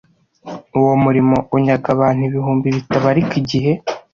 Uwo murimo unyaga abantu ibihumbi bitabarika igihe,